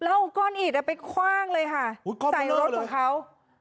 แล้วเอาก้อนอิดไปคว่างเลยค่ะใส่รถของเขา